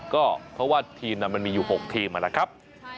ก็เพราะว่าทีมมันมีอยู่๖ทีมนะครับ